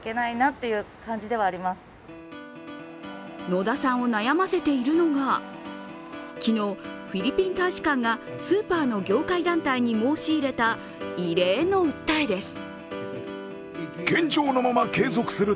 野田さんを悩ませているのが、昨日、フィリピン大使館がスーパーの業界団体に申し入れた異例の訴えです。